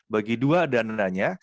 bagi dua dananya